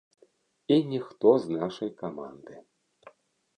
І ніхто з нашай каманды.